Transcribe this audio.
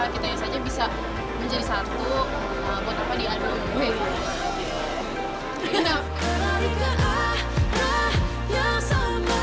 kita yang saja bisa menjadi satu buat apa diadu